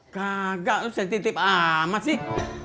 kagak lo sensitif amat sih